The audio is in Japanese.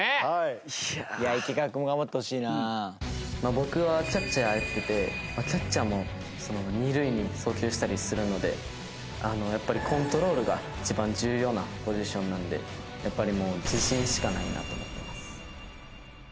僕はキャッチャーやっててキャッチャーも２塁に送球したりするのでやっぱりコントロールが一番重要なポジションなんでやっぱりもう。